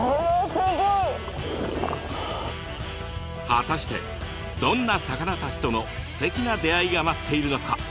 果たしてどんな魚たちとのすてきな出会いが待っているのか。